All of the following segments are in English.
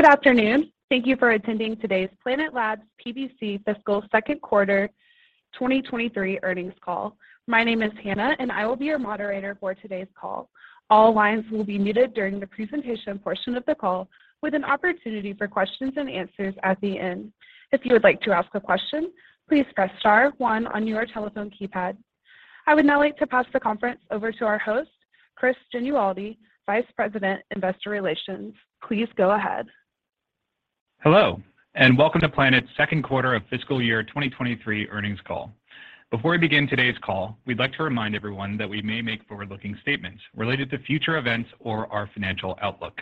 Good afternoon. Thank you for attending today's Planet Labs PBC Fiscal Second Quarter 2023 earnings call. My name is Hannah, and I will be your moderator for today's call. All lines will be muted during the presentation portion of the call, with an opportunity for questions and answers at the end. If you would like to ask a question, please press star one on your telephone keypad. I would now like to pass the conference over to our host, Chris Genualdi, Vice President, Investor Relations. Please go ahead. Hello, and welcome to Planet's second quarter of fiscal year 2023 earnings call. Before we begin today's call, we'd like to remind everyone that we may make forward-looking statements related to future events or our financial outlook.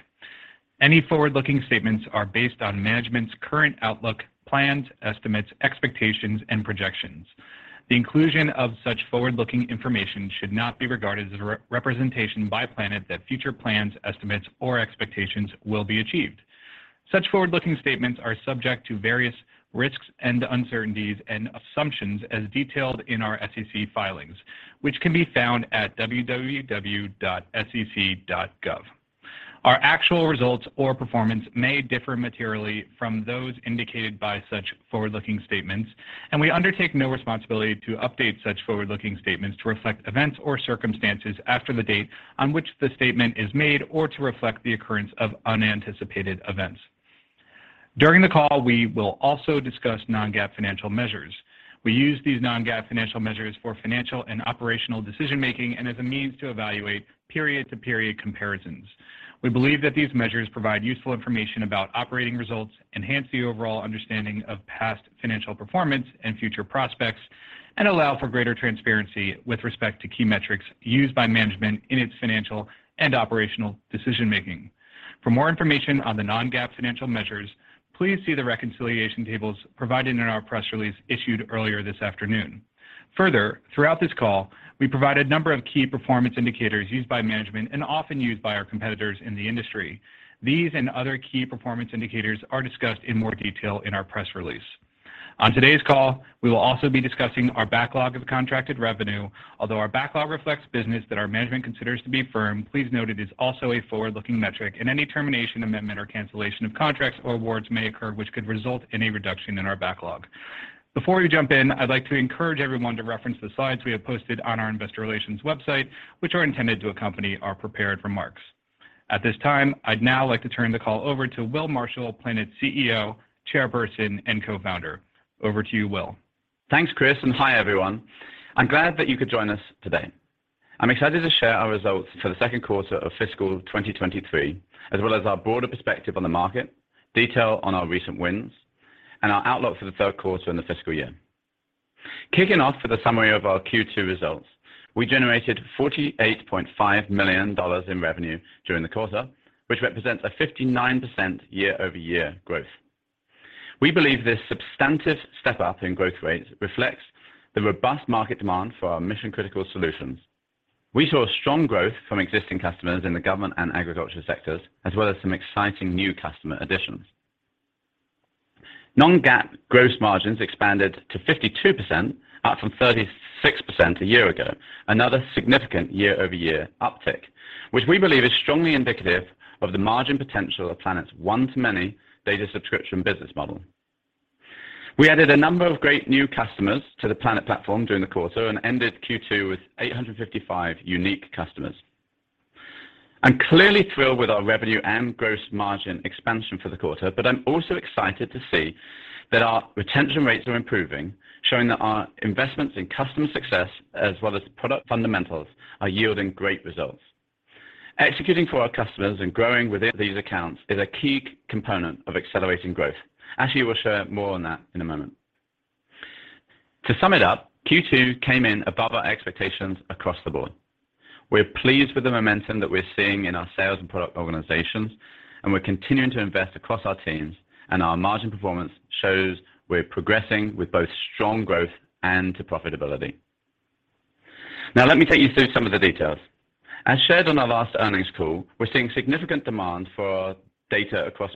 Any forward-looking statements are based on management's current outlook, plans, estimates, expectations, and projections. The inclusion of such forward-looking information should not be regarded as a representation by Planet that future plans, estimates, or expectations will be achieved. Such forward-looking statements are subject to various risks and uncertainties and assumptions as detailed in our SEC filings, which can be found at www.sec.gov. Our actual results or performance may differ materially from those indicated by such forward-looking statements, and we undertake no responsibility to update such forward-looking statements to reflect events or circumstances after the date on which the statement is made or to reflect the occurrence of unanticipated events. During the call, we will also discuss non-GAAP financial measures. We use these non-GAAP financial measures for financial and operational decision-making and as a means to evaluate period-to-period comparisons. We believe that these measures provide useful information about operating results, enhance the overall understanding of past financial performance and future prospects, and allow for greater transparency with respect to key metrics used by management in its financial and operational decision-making. For more information on the non-GAAP financial measures, please see the reconciliation tables provided in our press release issued earlier this afternoon. Further, throughout this call, we provide a number of key performance indicators used by management and often used by our competitors in the industry. These and other key performance indicators are discussed in more detail in our press release. On today's call, we will also be discussing our backlog of contracted revenue. Although our backlog reflects business that our management considers to be firm, please note it is also a forward-looking metric, and any termination, amendment, or cancellation of contracts or awards may occur which could result in a reduction in our backlog. Before we jump in, I'd like to encourage everyone to reference the slides we have posted on our investor relations website, which are intended to accompany our prepared remarks. At this time, I'd now like to turn the call over to Will Marshall, Planet's CEO, Chairperson, and Co-Founder. Over to you, Will. Thanks, Chris, and hi, everyone. I'm glad that you could join us today. I'm excited to share our results for the second quarter of fiscal 2023, as well as our broader perspective on the market, detail on our recent wins, and our outlook for the third quarter and the fiscal year. Kicking off with a summary of our Q2 results, we generated $48.5 million in revenue during the quarter, which represents a 59% year-over-year growth. We believe this substantive step-up in growth rates reflects the robust market demand for our mission-critical solutions. We saw strong growth from existing customers in the government and agricultural sectors, as well as some exciting new customer additions. Non-GAAP gross margins expanded to 52%, up from 36% a year ago. Another significant year-over-year uptick, which we believe is strongly indicative of the margin potential of Planet's one-to-many data subscription business model. We added a number of great new customers to the Planet platform during the quarter and ended Q2 with 855 unique customers. I'm clearly thrilled with our revenue and gross margin expansion for the quarter, but I'm also excited to see that our retention rates are improving, showing that our investments in customer success as well as product fundamentals are yielding great results. Executing for our customers and growing within these accounts is a key component of accelerating growth. Ashley will share more on that in a moment. To sum it up, Q2 came in above our expectations across the board. We're pleased with the momentum that we're seeing in our sales and product organizations, and we're continuing to invest across our teams, and our margin performance shows we're progressing with both strong growth and to profitability. Now, let me take you through some of the details. As shared on our last earnings call, we're seeing significant demand for our data across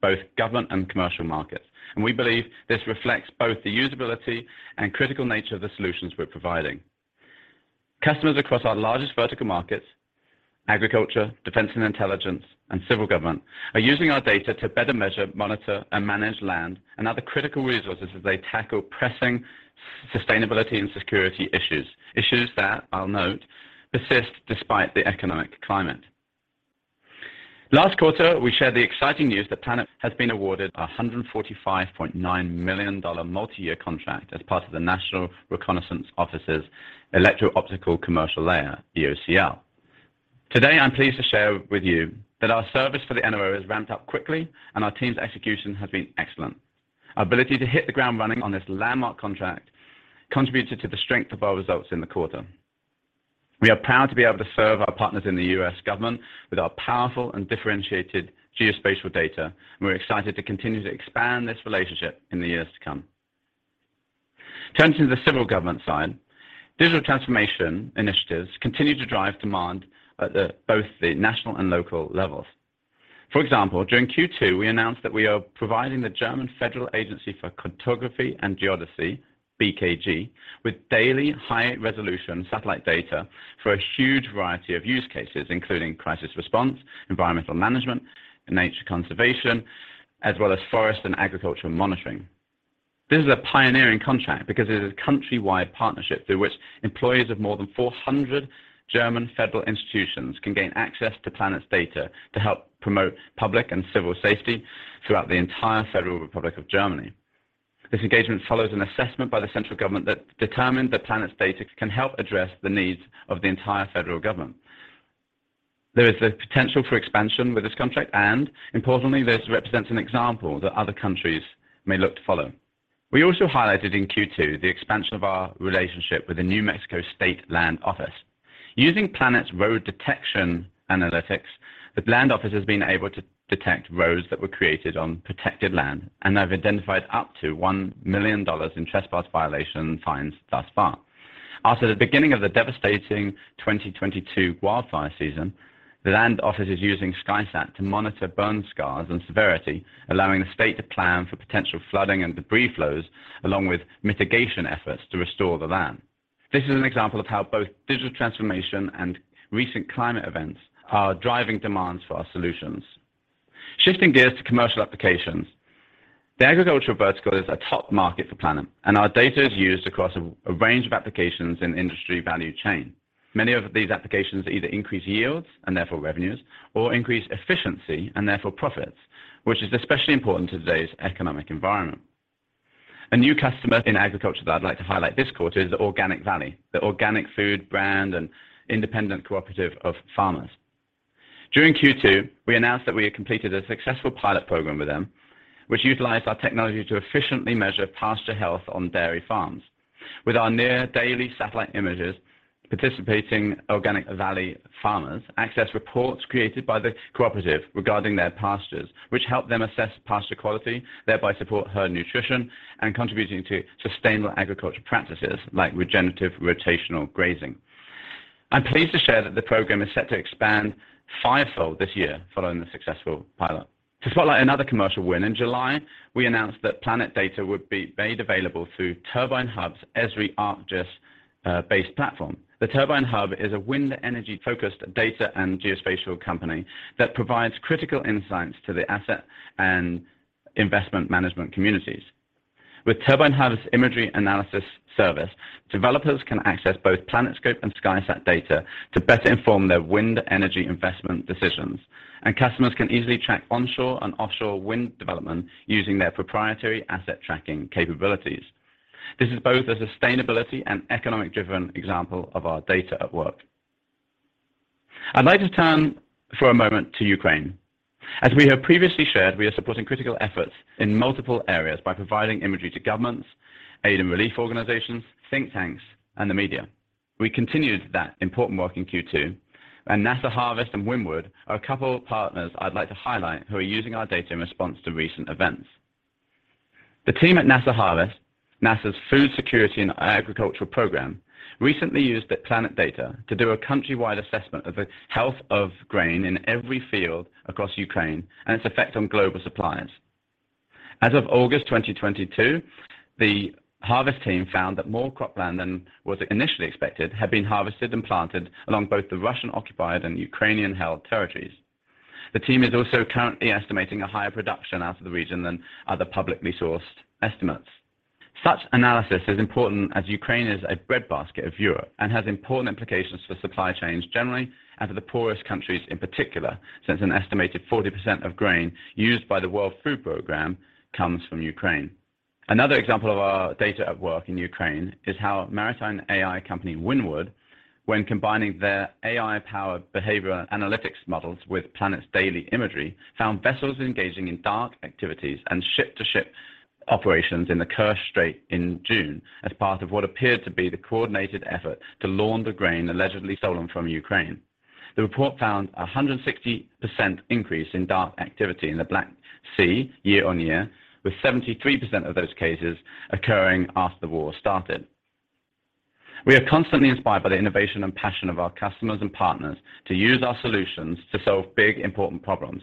both government and commercial markets, and we believe this reflects both the usability and critical nature of the solutions we're providing. Customers across our largest vertical markets, agriculture, defense and intelligence, and civil government, are using our data to better measure, monitor, and manage land and other critical resources as they tackle pressing sustainability and security issues. Issues that, I'll note, persist despite the economic climate. Last quarter, we shared the exciting news that Planet has been awarded a $145.9 million multi-year contract as part of the National Reconnaissance Office's Electro-Optical Commercial Layer, EOCL. Today, I'm pleased to share with you that our service for the NRO has ramped up quickly, and our team's execution has been excellent. Our ability to hit the ground running on this landmark contract contributed to the strength of our results in the quarter. We are proud to be able to serve our partners in the U.S. government with our powerful and differentiated geospatial data, and we're excited to continue to expand this relationship in the years to come. Turning to the civil government side, digital transformation initiatives continue to drive demand at both the national and local levels. For example, during Q2, we announced that we are providing the German Federal Agency for Cartography and Geodesy - BKG with daily high resolution satellite data for a huge variety of use cases, including crisis response, environmental management, and nature conservation, as well as forest and agricultural monitoring. This is a pioneering contract because it is a country-wide partnership through which employees of more than 400 German federal institutions can gain access to Planet's data to help promote public and civil safety throughout the entire Federal Republic of Germany. This engagement follows an assessment by the central government that determined that Planet's data can help address the needs of the entire federal government. There is the potential for expansion with this contract, and importantly, this represents an example that other countries may look to follow. We also highlighted in Q2 the expansion of our relationship with the New Mexico State Land Office. Using Planet's Road Detection analytics, the land office has been able to detect roads that were created on protected land and have identified up to $1 million in trespass violation fines thus far. After the beginning of the devastating 2022 wildfire season, the land office is using SkySat to monitor burn scars and severity, allowing the state to plan for potential flooding and debris flows, along with mitigation efforts to restore the land. This is an example of how both digital transformation and recent climate events are driving demands for our solutions. Shifting gears to commercial applications. The agricultural vertical is a top market for Planet, and our data is used across a range of applications in industry value chain. Many of these applications either increase yields and therefore revenues or increase efficiency and therefore profits, which is especially important to today's economic environment. A new customer in agriculture that I'd like to highlight this quarter is Organic Valley, the organic food brand and independent cooperative of farmers. During Q2, we announced that we had completed a successful pilot program with them, which utilized our technology to efficiently measure pasture health on dairy farms. With our near-daily satellite images, participating Organic Valley farmers access reports created by the cooperative regarding their pastures, which help them assess pasture quality, thereby supporting herd nutrition and contributing to sustainable agriculture practices like regenerative rotational grazing. I'm pleased to share that the program is set to expand five-fold this year following the successful pilot. To spotlight another commercial win in July, we announced that Planet data would be made available through TurbineHub's Esri ArcGIS based platform. The TurbineHub is a wind energy-focused data and geospatial company that provides critical insights to the asset and investment management communities. With TurbineHub's imagery analysis service, developers can access both PlanetScope and SkySat data to better inform their wind energy investment decisions. Customers can easily track onshore and offshore wind development using their proprietary asset tracking capabilities. This is both a sustainability and economic driven example of our data at work. I'd like to turn for a moment to Ukraine. As we have previously shared, we are supporting critical efforts in multiple areas by providing imagery to governments, aid and relief organizations, think tanks, and the media. We continued that important work in Q2, and NASA Harvest and Windward are a couple of partners I'd like to highlight who are using our data in response to recent events. The team at NASA Harvest, NASA's food security and agricultural program, recently used the Planet data to do a country-wide assessment of the health of grain in every field across Ukraine and its effect on global suppliers. As of August 2022, the Harvest team found that more cropland than was initially expected had been harvested and planted along both the Russian-occupied and Ukrainian-held territories. The team is also currently estimating a higher production out of the region than other publicly sourced estimates. Such analysis is important as Ukraine is a breadbasket of Europe and has important implications for supply chains generally, and for the poorest countries in particular, since an estimated 40% of grain used by the World Food Programme comes from Ukraine. Another example of our data at work in Ukraine is how maritime AI company, Windward, when combining their AI-powered behavioral analytics models with Planet's daily imagery, found vessels engaging in dark activities and ship-to-ship operations in the Kerch Strait in June as part of what appeared to be the coordinated effort to launder grain allegedly stolen from Ukraine. The report found a 160% increase in dark activity in the Black Sea year-on-year, with 73% of those cases occurring after the war started. We are constantly inspired by the innovation and passion of our customers and partners to use our solutions to solve big, important problems.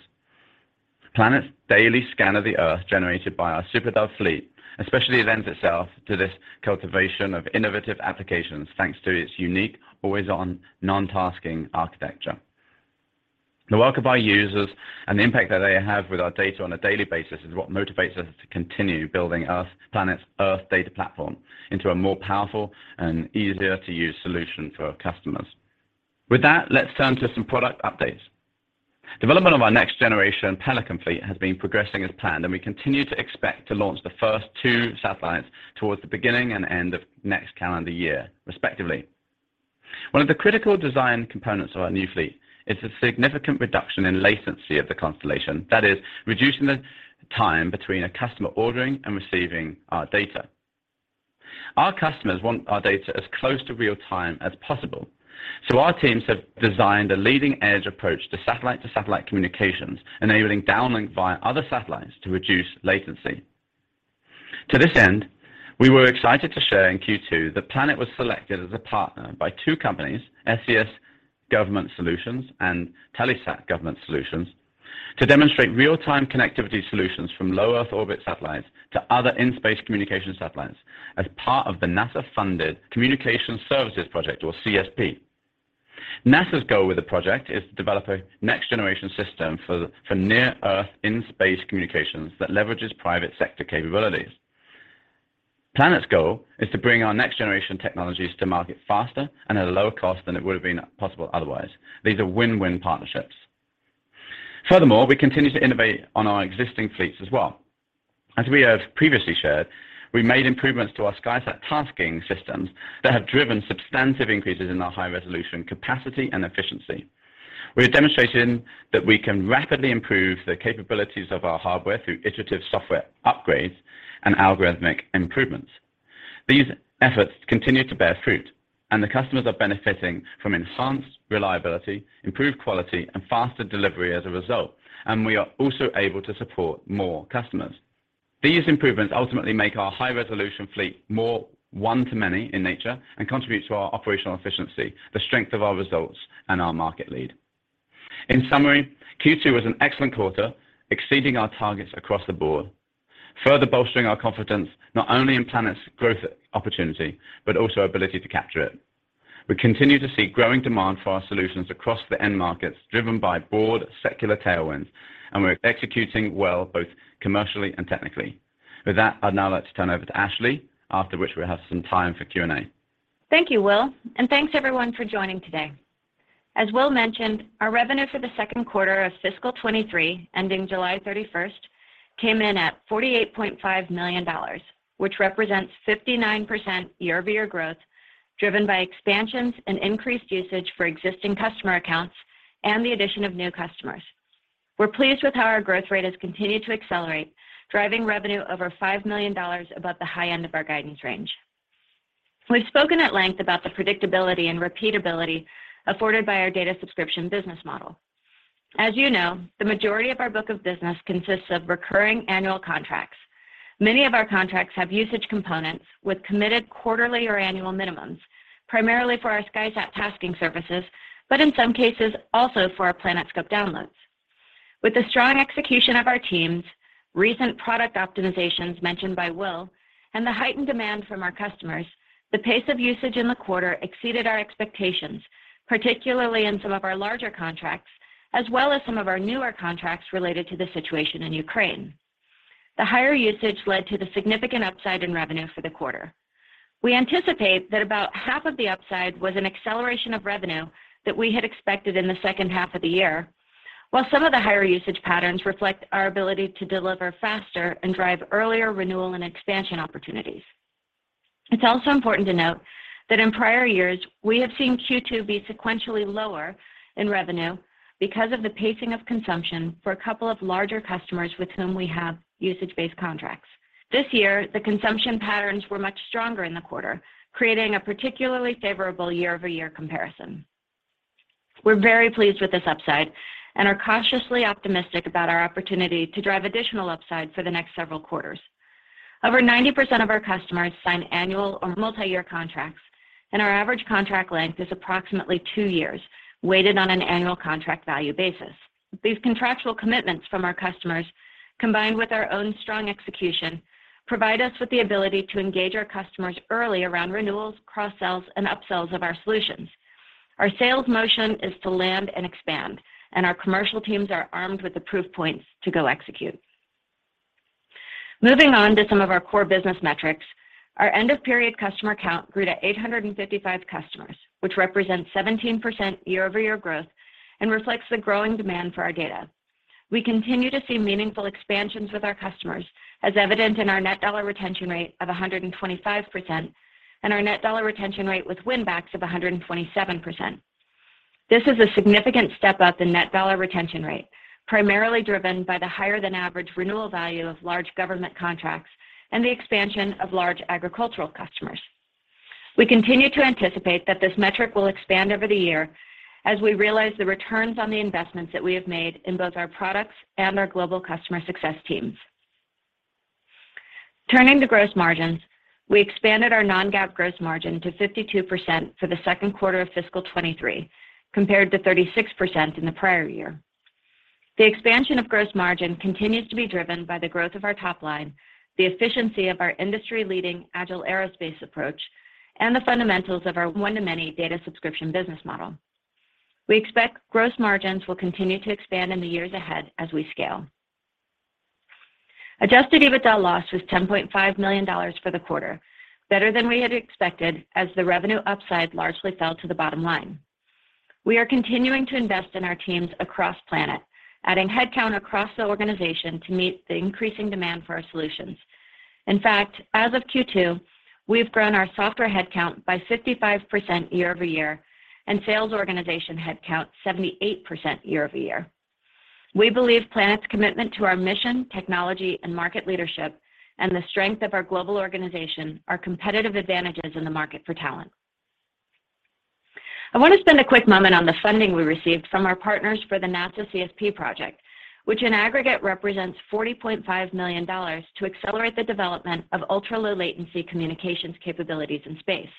Planet's daily scan of the Earth, generated by our SuperDove fleet, especially lends itself to this cultivation of innovative applications, thanks to its unique, always on, non-tasking architecture. The work of our users and the impact that they have with our data on a daily basis is what motivates us to continue building Planet's Earth data platform into a more powerful and easier to use solution for our customers. With that, let's turn to some product updates. Development of our next generation Pelican fleet has been progressing as planned, and we continue to expect to launch the first two satellites towards the beginning and end of next calendar year, respectively. One of the critical design components of our new fleet is a significant reduction in latency of the constellation. That is, reducing the time between a customer ordering and receiving our data. Our customers want our data as close to real-time as possible. Our teams have designed a leading-edge approach to satellite-to-satellite communications, enabling downlink via other satellites to reduce latency. To this end, we were excited to share in Q2 that Planet was selected as a partner by two companies, SES Government Solutions and Telesat Government Solutions. To demonstrate real-time connectivity solutions from low Earth orbit satellites to other in-space communication satellites as part of the NASA-funded Communications Services Project or CSP. NASA's goal with the project is to develop a next-generation system for near Earth in-space communications that leverages private sector capabilities. Planet's goal is to bring our next-generation technologies to market faster and at a lower cost than it would have been possible otherwise. These are win-win partnerships. Furthermore, we continue to innovate on our existing fleets as well. As we have previously shared, we made improvements to our SkySat tasking systems that have driven substantive increases in our high-resolution capacity and efficiency. We have demonstrated that we can rapidly improve the capabilities of our hardware through iterative software upgrades and algorithmic improvements. These efforts continue to bear fruit, and the customers are benefiting from enhanced reliability, improved quality, and faster delivery as a result, and we are also able to support more customers. These improvements ultimately make our high-resolution fleet more one-to-many in nature and contribute to our operational efficiency, the strength of our results, and our market lead. In summary, Q2 was an excellent quarter, exceeding our targets across the board, further bolstering our confidence not only in Planet's growth opportunity, but also our ability to capture it. We continue to see growing demand for our solutions across the end markets driven by broad secular tailwinds, and we're executing well both commercially and technically. With that, I'd now like to turn over to Ashley, after which we'll have some time for Q&A. Thank you, Will, and thanks everyone for joining today. As Will mentioned, our revenue for the second quarter of fiscal 2023, ending July 31, came in at $48.5 million, which represents 59% year-over-year growth, driven by expansions and increased usage for existing customer accounts and the addition of new customers. We're pleased with how our growth rate has continued to accelerate, driving revenue over $5 million above the high end of our guidance range. We've spoken at length about the predictability and repeatability afforded by our data subscription business model. As you know, the majority of our book of business consists of recurring annual contracts. Many of our contracts have usage components with committed quarterly or annual minimums, primarily for our SkySat tasking services, but in some cases also for our PlanetScope downloads. With the strong execution of our teams, recent product optimizations mentioned by Will, and the heightened demand from our customers, the pace of usage in the quarter exceeded our expectations, particularly in some of our larger contracts, as well as some of our newer contracts related to the situation in Ukraine. The higher usage led to the significant upside in revenue for the quarter. We anticipate that about half of the upside was an acceleration of revenue that we had expected in the second half of the year, while some of the higher usage patterns reflect our ability to deliver faster and drive earlier renewal and expansion opportunities. It's also important to note that in prior years, we have seen Q2 be sequentially lower in revenue because of the pacing of consumption for a couple of larger customers with whom we have usage-based contracts. This year, the consumption patterns were much stronger in the quarter, creating a particularly favorable year-over-year comparison. We're very pleased with this upside and are cautiously optimistic about our opportunity to drive additional upside for the next several quarters. Over 90% of our customers sign annual or multi-year contracts, and our average contract length is approximately two years, weighted on an annual contract value basis. These contractual commitments from our customers, combined with our own strong execution, provide us with the ability to engage our customers early around renewals, cross-sells, and up-sells of our solutions. Our sales motion is to land and expand, and our commercial teams are armed with the proof points to go execute. Moving on to some of our core business metrics, our end-of-period customer count grew to 855 customers, which represents 17% year-over-year growth and reflects the growing demand for our data. We continue to see meaningful expansions with our customers, as evident in our net dollar retention rate of 125% and our net dollar retention rate with winbacks of 127%. This is a significant step up in net dollar retention rate, primarily driven by the higher-than-average renewal value of large government contracts and the expansion of large agricultural customers. We continue to anticipate that this metric will expand over the year as we realize the returns on the investments that we have made in both our products and our global customer success teams. Turning to gross margins, we expanded our non-GAAP gross margin to 52% for the second quarter of fiscal 2023, compared to 36% in the prior year. The expansion of gross margin continues to be driven by the growth of our top line, the efficiency of our industry-leading agile aerospace approach, and the fundamentals of our one-to-many data subscription business model. We expect gross margins will continue to expand in the years ahead as we scale. Adjusted EBITDA loss was $10.5 million for the quarter, better than we had expected as the revenue upside largely fell to the bottom line. We are continuing to invest in our teams across Planet, adding headcount across the organization to meet the increasing demand for our solutions. In fact, as of Q2, we've grown our software headcount by 55% year-over-year, and sales organization headcount 78% year-over-year. We believe Planet's commitment to our mission, technology, and market leadership and the strength of our global organization are competitive advantages in the market for talent. I want to spend a quick moment on the funding we received from our partners for the NASA CSP project, which in aggregate represents $40.5 million to accelerate the development of ultra-low latency communications capabilities in space.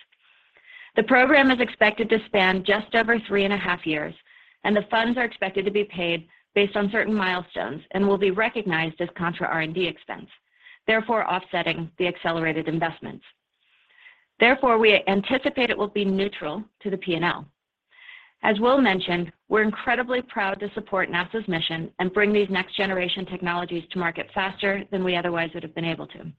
The program is expected to span just over three and a half years, and the funds are expected to be paid based on certain milestones and will be recognized as contra R&D expense, therefore offsetting the accelerated investments. Therefore, we anticipate it will be neutral to the P&L. As Will mentioned, we're incredibly proud to support NASA's mission and bring these next-generation technologies to market faster than we otherwise would have been able to.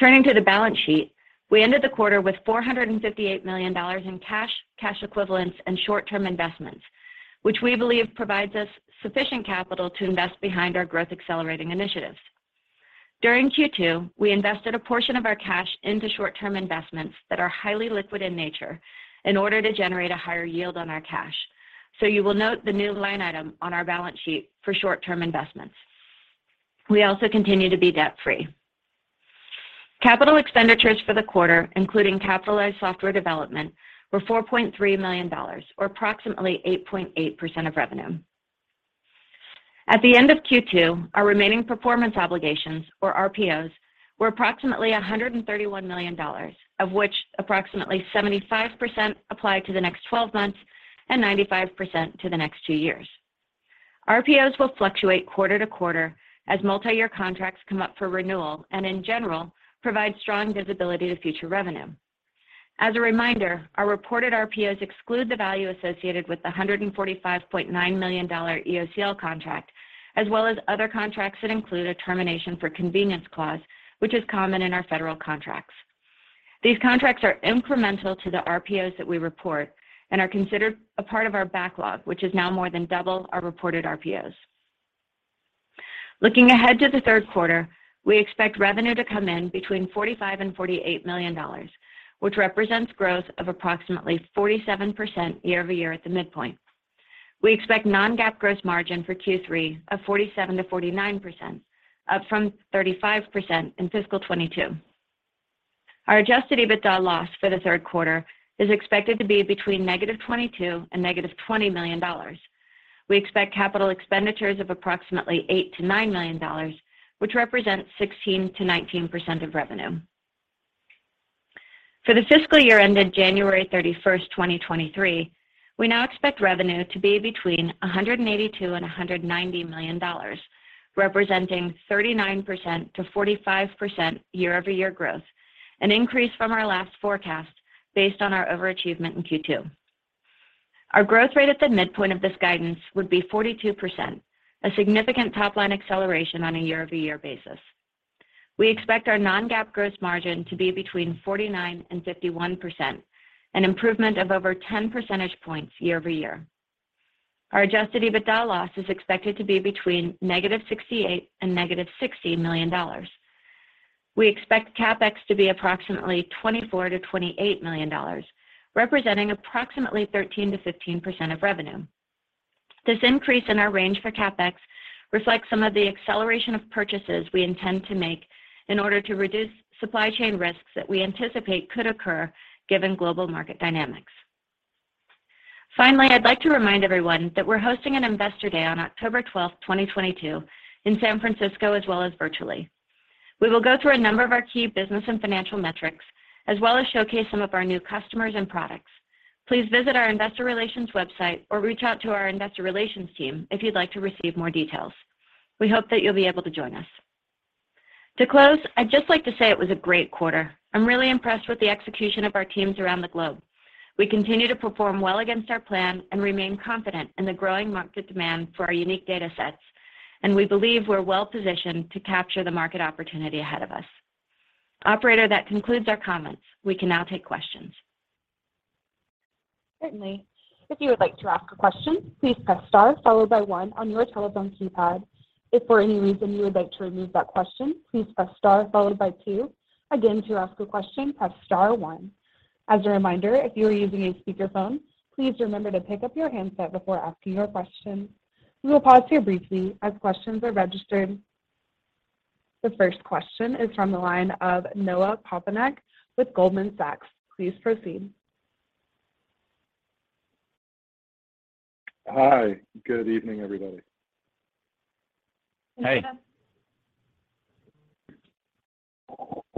Turning to the balance sheet, we ended the quarter with $458 million in cash equivalents, and short-term investments, which we believe provides us sufficient capital to invest behind our growth accelerating initiatives. During Q2, we invested a portion of our cash into short-term investments that are highly liquid in nature in order to generate a higher yield on our cash. You will note the new line item on our balance sheet for short-term investments. We also continue to be debt-free. Capital expenditures for the quarter, including capitalized software development, were $4.3 million, or approximately 8.8% of revenue. At the end of Q2, our remaining performance obligations, or RPOs, were approximately $131 million, of which approximately 75% apply to the next twelve months and 95% to the next two years. RPOs will fluctuate quarter to quarter as multi-year contracts come up for renewal and, in general, provide strong visibility to future revenue. As a reminder, our reported RPOs exclude the value associated with the $145.9 million EOCL contract, as well as other contracts that include a termination for convenience clause, which is common in our federal contracts. These contracts are incremental to the RPOs that we report and are considered a part of our backlog, which is now more than double our reported RPOs. Looking ahead to the third quarter, we expect revenue to come in between $45 million and $48 million, which represents growth of approximately 47% year-over-year at the midpoint. We expect non-GAAP gross margin for Q3 of 47%-49%, up from 35% in fiscal 2022. Our adjusted EBITDA loss for the third quarter is expected to be between -$22 million and -$20 million. We expect capital expenditures of approximately $8 million-$9 million, which represents 16%-19% of revenue. For the fiscal year ended January 31, 2023, we now expect revenue to be between $182 million and $190 million, representing 39%-45% year-over-year growth, an increase from our last forecast based on our overachievement in Q2. Our growth rate at the midpoint of this guidance would be 42%, a significant top-line acceleration on a year-over-year basis. We expect our non-GAAP gross margin to be between 49% and 51%, an improvement of over 10 percentage points year-over-year. Our adjusted EBITDA loss is expected to be between -$68 million and -$60 million. We expect CapEx to be approximately $24 million-$28 million, representing approximately 13%-15% of revenue. This increase in our range for CapEx reflects some of the acceleration of purchases we intend to make in order to reduce supply chain risks that we anticipate could occur given global market dynamics. Finally, I'd like to remind everyone that we're hosting an Investor Day on October 12th, 2022 in San Francisco, as well as virtually. We will go through a number of our key business and financial metrics, as well as showcase some of our new customers and products. Please visit our investor relations website or reach out to our investor relations team if you'd like to receive more details. We hope that you'll be able to join us. To close, I'd just like to say it was a great quarter. I'm really impressed with the execution of our teams around the globe. We continue to perform well against our plan and remain confident in the growing market demand for our unique datasets, and we believe we're well-positioned to capture the market opportunity ahead of us. Operator, that concludes our comments. We can now take questions. Certainly. If you would like to ask a question, please press star followed by one on your telephone keypad. If for any reason you would like to remove that question, please press star followed by two. Again, to ask a question, press star one. As a reminder, if you are using a speakerphone, please remember to pick up your handset before asking your question. We will pause here briefly as questions are registered. The first question is from the line of Noah Poponak with Goldman Sachs. Please proceed. Hi. Good evening, everybody. Hey.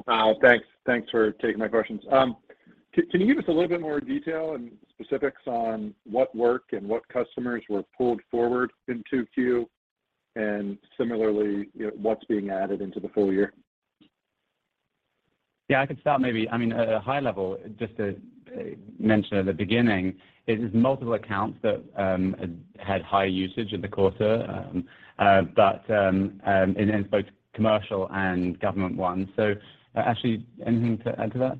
Noah. Thanks for taking my questions. Can you give us a little bit more detail and specifics on what work and what customers were pulled forward in Q2, and similarly, you know, what's being added into the full year? Yeah, I can start maybe. I mean, at a high level, just to mention at the beginning, it is multiple accounts that had high usage in the quarter, but both commercial and government ones. Ashley, anything to add to that?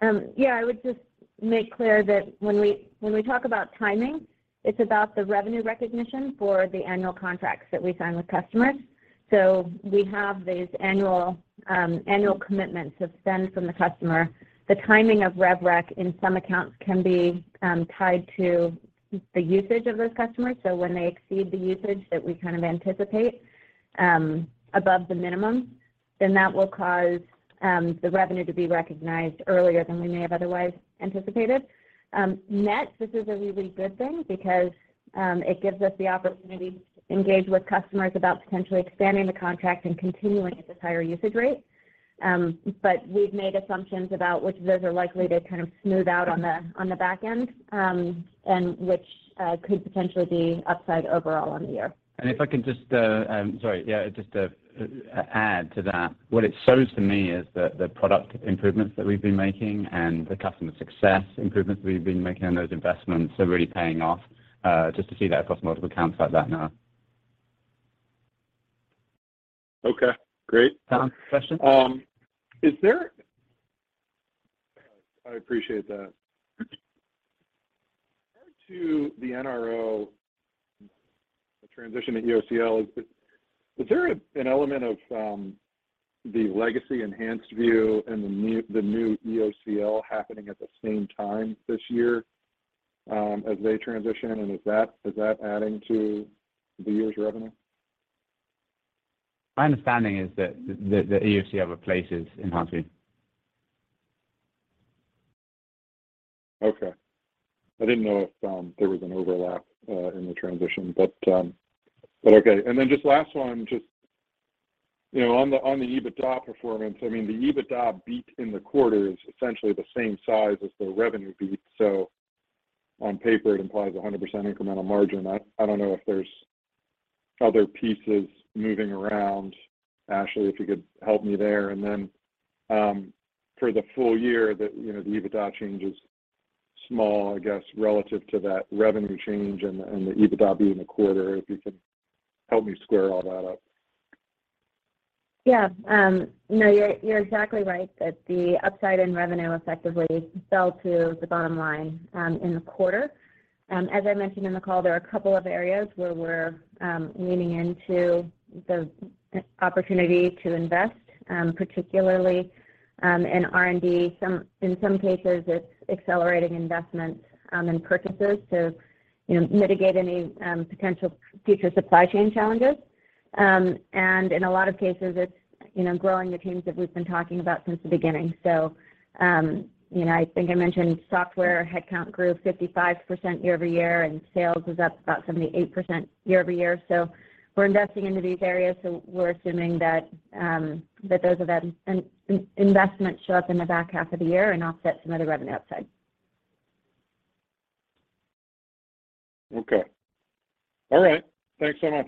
I would just make clear that when we talk about timing, it's about the revenue recognition for the annual contracts that we sign with customers. We have these annual commitments of spend from the customer. The timing of rev rec in some accounts can be tied to the usage of those customers. When they exceed the usage that we kind of anticipate above the minimum, then that will cause the revenue to be recognized earlier than we may have otherwise anticipated. This is a really good thing because it gives us the opportunity to engage with customers about potentially expanding the contract and continuing at this higher usage rate. We've made assumptions about which of those are likely to kind of smooth out on the back end, and which could potentially be upside overall on the year. Sorry. Yeah, just to add to that, what it shows to me is that the product improvements that we've been making and the customer success improvements we've been making on those investments are really paying off, just to see that across multiple accounts like that now. Okay, great. Tom, question? I appreciate that. Prior to the NRO transition to EOCL, is there an element of the legacy EnhancedView and the new EOCL happening at the same time this year, as they transition? Is that adding to the year's revenue? My understanding is that the EOCL replaces EnhancedView. Okay. I didn't know if there was an overlap in the transition, but okay. Then just last one, you know, on the EBITDA performance, I mean, the EBITDA beat in the quarter is essentially the same size as the revenue beat, so on paper it implies 100% incremental margin. I don't know if there's other pieces moving around. Ashley, if you could help me there. Then for the full year that, you know, the EBITDA change is small, I guess, relative to that revenue change and the EBITDA beat in the quarter, if you could help me square all that up. Yeah. No, you're exactly right that the upside in revenue effectively fell to the bottom line in the quarter. As I mentioned in the call, there are a couple of areas where we're leaning into the opportunity to invest, particularly in R&D. In some cases it's accelerating investments and purchases to, you know, mitigate any potential future supply chain challenges. In a lot of cases it's, you know, growing the teams that we've been talking about since the beginning. You know, I think I mentioned software headcount grew 55% year-over-year, and sales was up about 78% year-over-year. We're investing into these areas, so we're assuming that those investments show up in the back half of the year and offset some of the revenue upside. Okay. All right. Thanks so much.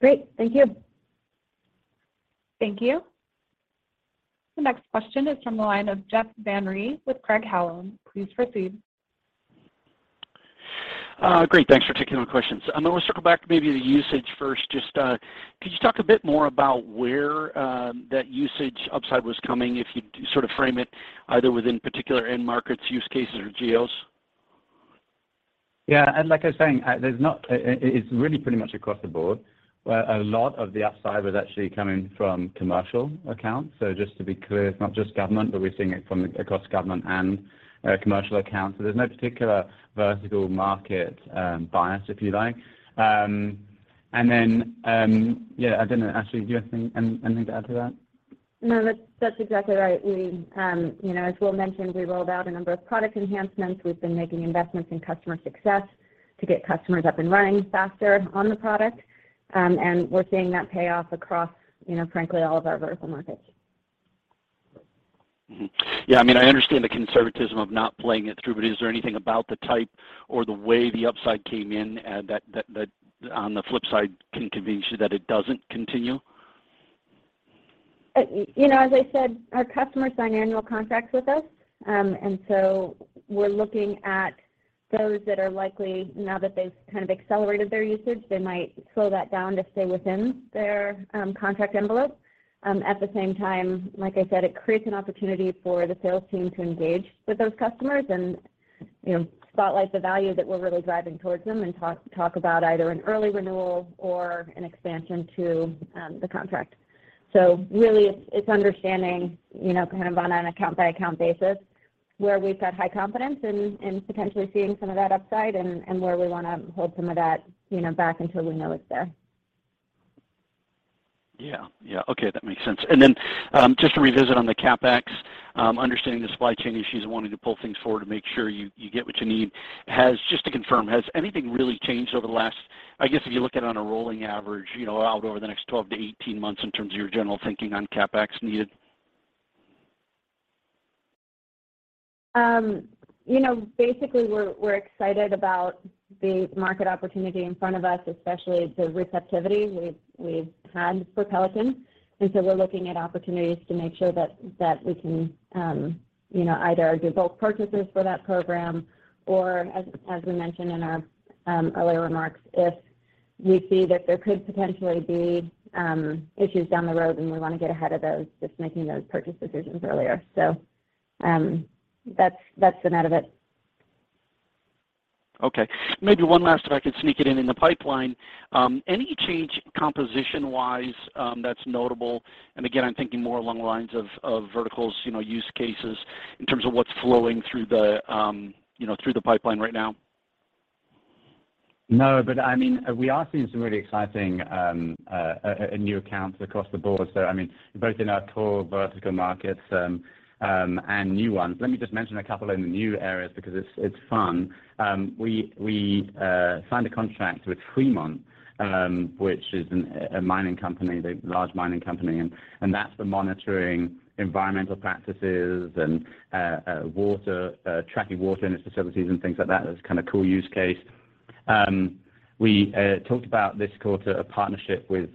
Great. Thank you. Thank you. The next question is from the line of Jeff Van Rhee with Craig-Hallum. Please proceed. Great. Thanks for taking my questions. I'm gonna circle back to maybe the usage first. Just, could you talk a bit more about where that usage upside was coming, if you'd sort of frame it either within particular end markets, use cases, or geos? Yeah. Like I was saying, it's really pretty much across the board, where a lot of the upside was actually coming from commercial accounts. Just to be clear, it's not just government, but we're seeing it from across government and commercial accounts. There's no particular vertical market bias, if you like. Yeah, I don't know. Ashley, do you have anything to add to that? No, that's exactly right. We, you know, as Will mentioned, we rolled out a number of product enhancements. We've been making investments in customer success to get customers up and running faster on the product. We're seeing that pay off across, you know, frankly, all of our vertical markets. Yeah, I mean, I understand the conservatism of not playing it through, but is there anything about the type or the way the upside came in, that on the flip side can convince you that it doesn't continue? You know, as I said, our customers sign annual contracts with us. We're looking at those that are likely, now that they've kind of accelerated their usage, they might slow that down to stay within their contract envelope. At the same time, like I said, it creates an opportunity for the sales team to engage with those customers and, you know, spotlight the value that we're really driving towards them and talk about either an early renewal or an expansion to the contract. Really it's understanding, you know, kind of on an account by account basis where we've got high confidence in potentially seeing some of that upside and where we wanna hold some of that, you know, back until we know it's there. Yeah. Yeah. Okay, that makes sense. Just to revisit on the CapEx, understanding the supply chain issues and wanting to pull things forward to make sure you get what you need. Just to confirm, has anything really changed over the last, I guess, if you look at it on a rolling average, you know, out over the next 12-18 months in terms of your general thinking on CapEx needed? You know, basically we're excited about the market opportunity in front of us, especially the receptivity we've had for Pelican. We're looking at opportunities to make sure that we can, you know, either do bulk purchases for that program or, as we mentioned in our earlier remarks, if we see that there could potentially be issues down the road then we wanna get ahead of those, just making those purchase decisions earlier. That's the net of it. Okay. Maybe one last, if I could sneak it in the pipeline. Any change composition wise, that's notable? Again, I'm thinking more along the lines of verticals, you know, use cases in terms of what's flowing through the, you know, through the pipeline right now. No, but I mean, we are seeing some really exciting new accounts across the board. I mean, both in our core vertical markets and new ones. Let me just mention a couple in the new areas because it's fun. We signed a contract with Freeport-McMoRan, which is a mining company, a large mining company, and that's for monitoring environmental practices and tracking water in its facilities and things like that. That's a kinda cool use case. We talked about this quarter a partnership with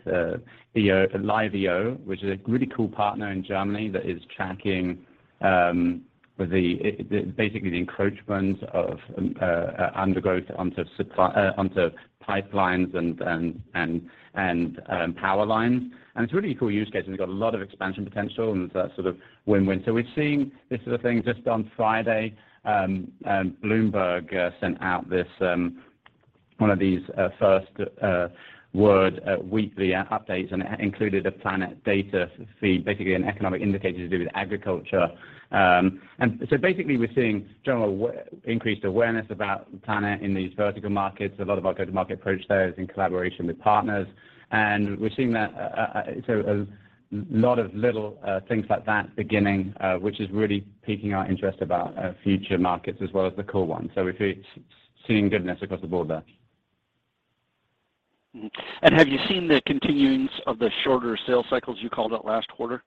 EO, LiveEO, which is a really cool partner in Germany that is tracking basically the encroachment of undergrowth onto pipelines and power lines. It's a really cool use case, and we've got a lot of expansion potential, and it's a sort of win-win. We're seeing this sort of thing. Just on Friday, Bloomberg sent out this one of these First Word weekly updates, and it included a Planet data feed, basically an economic indicator to do with agriculture. Basically we're seeing general increased awareness about Planet in these vertical markets. A lot of our go-to-market approach there is in collaboration with partners. We're seeing that, so a lot of little things like that beginning, which is really piquing our interest about future markets as well as the core ones. We're seeing goodness across the board there. Mm-hmm. Have you seen the continuation of the shorter sales cycles you called out last quarter?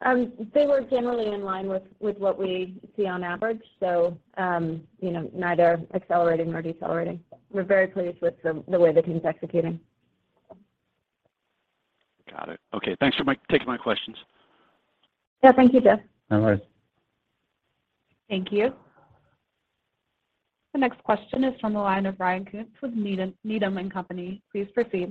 They were generally in line with what we see on average. You know, neither accelerating nor decelerating. We're very pleased with the way the team's executing. Got it. Okay, thanks for taking my questions. Yeah. Thank you, Jeff. All right. Thank you. The next question is from the line of Ryan Koontz with Needham & Company. Please proceed.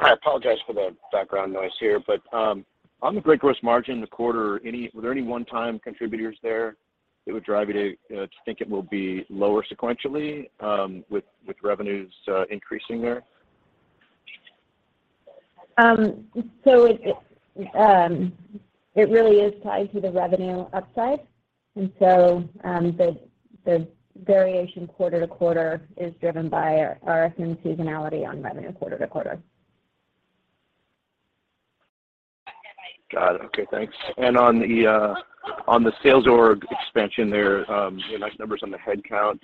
I apologize for the background noise here. On the gross margin in the quarter, were there any one-time contributors there that would drive you to think it will be lower sequentially, with revenues increasing there? It really is tied to the revenue upside. The variation quarter to quarter is driven by our assumed seasonality on revenue quarter to quarter. Got it. Okay, thanks. On the sales org expansion there, you know, nice numbers on the headcount.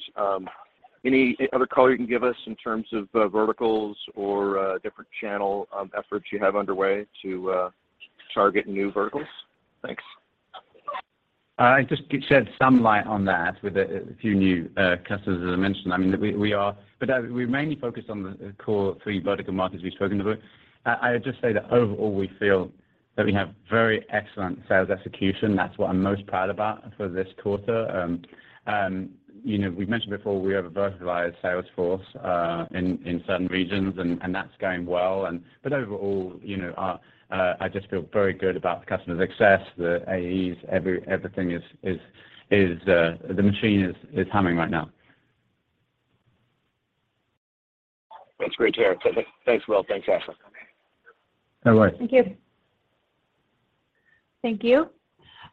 Any other color you can give us in terms of verticals or different channel efforts you have underway to target new verticals? Thanks. I just shed some light on that with a few new customers that I mentioned. I mean, we are. We mainly focus on the core three vertical markets we've spoken about. I just say that overall, we feel that we have very excellent sales execution. That's what I'm most proud about for this quarter. You know, we've mentioned before we have a verified sales force in certain regions and that's going well. Overall, you know, I just feel very good about the customer success, the AEs, everything, the machine is humming right now. That's great to hear. Thanks, Will. Thanks, Ashley. All right. Thank you. Thank you.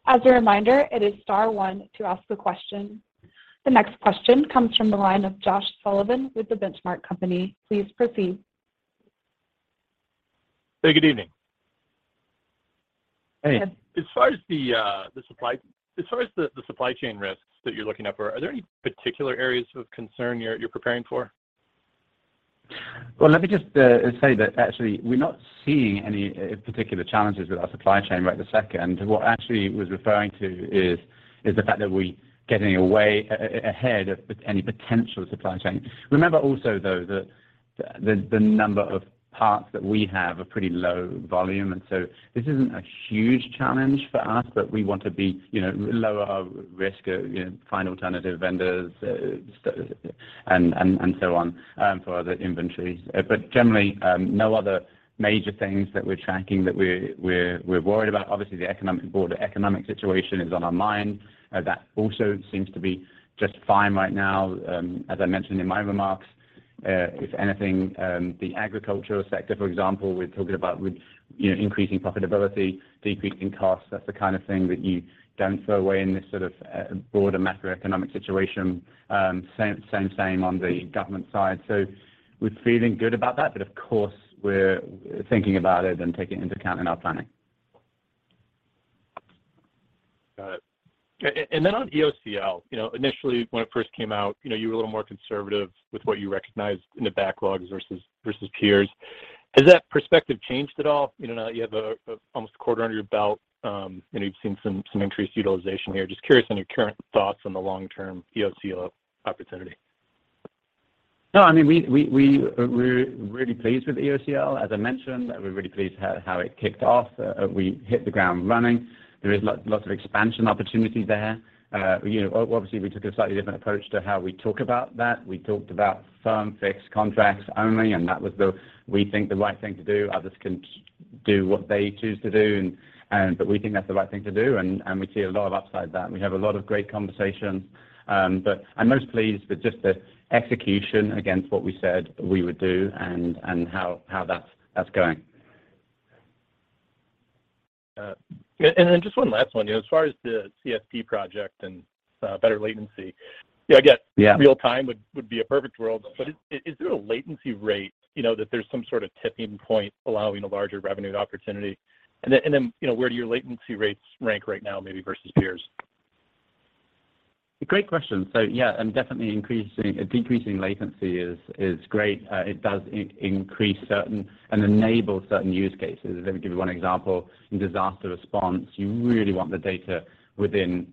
As a reminder, it is star one to ask a question. The next question comes from the line of Josh Sullivan with The Benchmark Company. Please proceed. Hey, good evening. Hey. Go ahead. As far as the supply chain risks that you're looking out for, are there any particular areas of concern you're preparing for? Well, let me just say that actually we're not seeing any particular challenges with our supply chain right this second. What Ashley was referring to is the fact that we're getting ahead of any potential supply chain. Remember also, though, that the number of parts that we have are pretty low volume, and so this isn't a huge challenge for us, but we want to be, you know, lower our risk, you know, find alternative vendors, and so on, for the inventory. Generally, no other major things that we're tracking that we're worried about. Obviously, the broader economic situation is on our mind. That also seems to be just fine right now. As I mentioned in my remarks, if anything, the agricultural sector, for example, we're talking about with, you know, increasing profitability, decreasing costs. That's the kind of thing that you don't throw away in this sort of broader macroeconomic situation. Same on the government side. We're feeling good about that, but of course we're thinking about it and taking it into account in our planning. Got it. On EOCL, you know, initially when it first came out, you know, you were a little more conservative with what you recognized in the backlogs versus peers. Has that perspective changed at all? You know, now that you have almost a quarter under your belt, and you've seen some increased utilization here. Just curious on your current thoughts on the long-term EOCL opportunity. No, I mean, we're really pleased with EOCL, as I mentioned. We're really pleased how it kicked off. We hit the ground running. There is lots of expansion opportunity there. You know, obviously, we took a slightly different approach to how we talk about that. We talked about firm fixed contracts only, and that was, we think, the right thing to do. Others can do what they choose to do and but we think that's the right thing to do, and we see a lot of upside to that, and we have a lot of great conversations. But I'm most pleased with just the execution against what we said we would do and how that's going. Just one last one. You know, as far as the CSP project and better latency, yeah, I guess. Yeah Real time would be a perfect world. But is there a latency rate, you know, that there's some sort of tipping point allowing a larger revenue opportunity? You know, where do your latency rates rank right now maybe versus peers? Great question. Yeah, definitely decreasing latency is great. It does increase certain and enable certain use cases. Let me give you one example. In disaster response, you really want the data within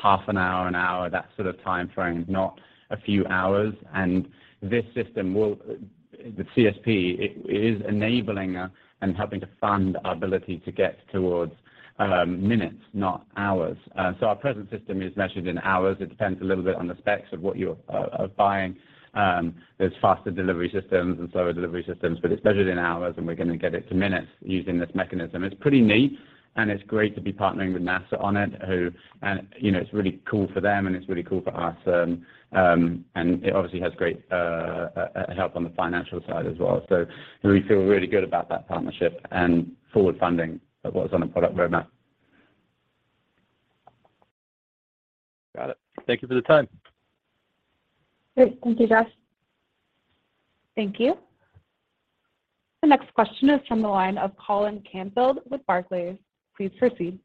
half an hour, an hour, that sort of timeframe, not a few hours. This system will the CSP it is enabling and helping to fund our ability to get towards minutes, not hours. Our present system is measured in hours. It depends a little bit on the specs of what you're buying. There's faster delivery systems and slower delivery systems, but it's measured in hours and we're gonna get it to minutes using this mechanism. It's pretty neat and it's great to be partnering with NASA on it's really cool for them and it's really cool for us. It obviously has great help on the financial side as well. We feel really good about that partnership and forward funding of what is on the product roadmap. Got it. Thank you for the time. Great. Thank you, Josh. Thank you. The next question is from the line of Colin Canfield with Barclays. Please proceed.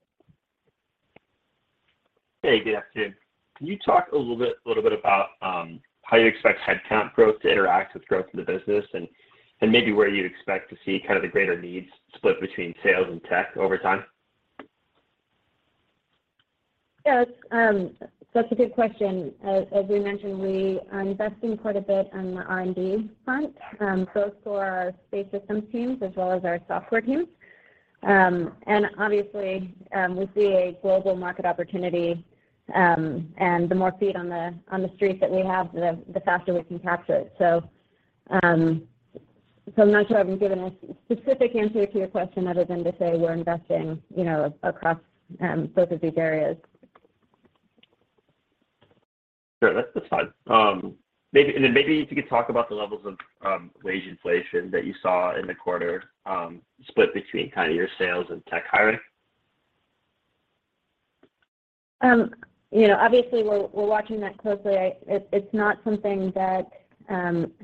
Hey, good afternoon. Can you talk a little bit about how you expect headcount growth to interact with growth of the business and maybe where you expect to see kind of the greater needs split between sales and tech over time? Yeah. That's a good question. As we mentioned, we are investing quite a bit on the R&D front, both for our space systems teams as well as our software teams. Obviously, we see a global market opportunity, and the more feet on the street that we have, the faster we can capture it. I'm not sure I've given a specific answer to your question other than to say we're investing, you know, across both of these areas. Sure. That's fine. Maybe if you could talk about the levels of wage inflation that you saw in the quarter, split between kind of your sales and tech hiring. You know, obviously we're watching that closely. It's not something that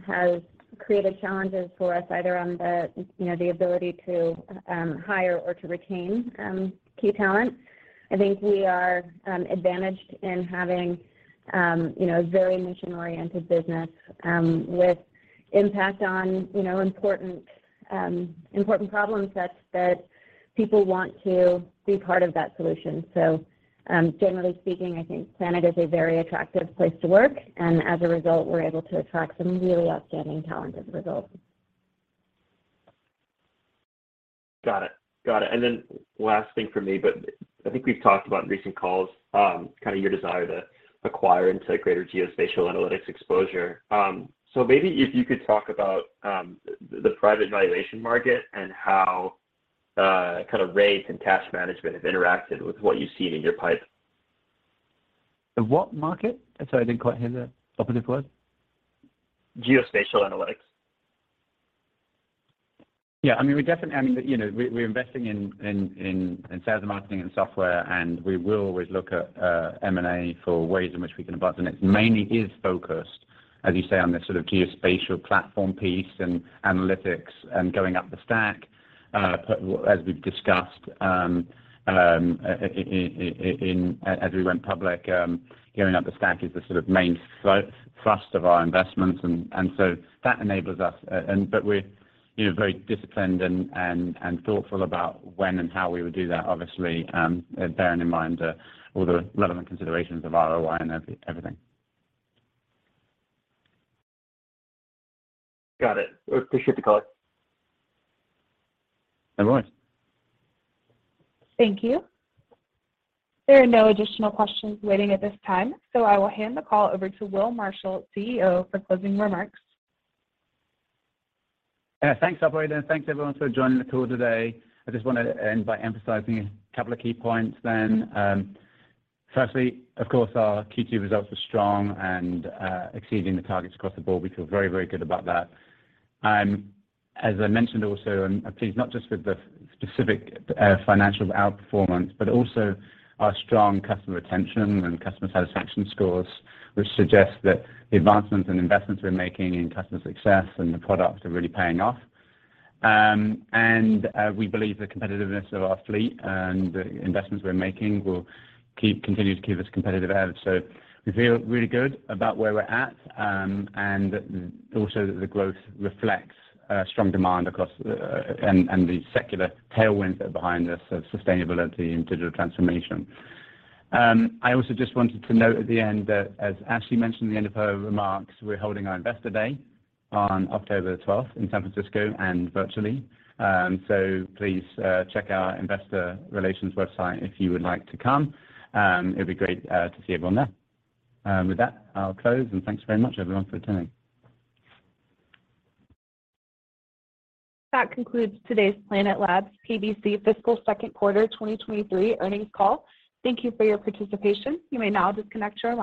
has created challenges for us either on the, you know, the ability to hire or to retain key talent. I think we are advantaged in having, you know, a very mission-oriented business with impact on, you know, important problems that people want to be part of that solution. Generally speaking, I think Planet is a very attractive place to work, and as a result, we're able to attract some really outstanding talent as a result. Got it. Then last thing from me, but I think we've talked about in recent calls, kind of your desire to acquire into greater geospatial analytics exposure. Maybe if you could talk about the private valuation market and how kind of rates and cash management have interacted with what you've seen in your pipe. The what market? Sorry, I didn't quite hear the operative word. Geospatial analytics. Yeah. I mean, we definitely. I mean, you know, we're investing in sales and marketing and software, and we will always look at M&A for ways in which we can advance. It mainly is focused, as you say, on the sort of geospatial platform piece and analytics and going up the stack. As we've discussed, in as we went public, going up the stack is the sort of main thrust of our investments. So that enables us. But we're, you know, very disciplined and thoughtful about when and how we would do that, obviously, bearing in mind all the relevant considerations of ROI and everything. Got it. Appreciate the color. No worries. Thank you. There are no additional questions waiting at this time, so I will hand the call over to Will Marshall, CEO, for closing remarks. Yeah. Thanks, operator, and thanks, everyone, for joining the call today. I just wanna end by emphasizing a couple of key points then. First, of course, our Q2 results were strong and exceeding the targets across the board. We feel very, very good about that. As I mentioned also, I'm pleased not just with the specific financial outperformance, but also our strong customer retention and customer satisfaction scores, which suggest that the advancements and investments we're making in customer success and the products are really paying off. We believe the competitiveness of our fleet and the investments we're making will continue to keep us competitive ahead. We feel really good about where we're at, and also that the growth reflects strong demand across and the secular tailwinds that are behind us of sustainability and digital transformation. I also just wanted to note at the end that, as Ashley mentioned at the end of her remarks, we're holding our Investor Day on October the twelfth in San Francisco and virtually. Please, check our investor relations website if you would like to come. It'd be great to see everyone there. With that, I'll close, and thanks very much, everyone, for attending. That concludes today's Planet Labs PBC Fiscal Second Quarter 2023 Earnings Call. Thank you for your participation. You may now disconnect your lines.